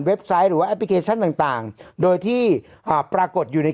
ไซต์หรือว่าแอปพลิเคชันต่างต่างโดยที่อ่าปรากฏอยู่ใน